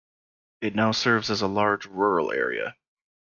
It now serves a large rural area.